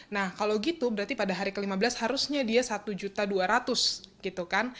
nah kalau gitu berarti pada hari ke lima belas harusnya dia satu juta dua ratus gitu kan